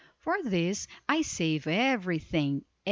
For this I save every thing.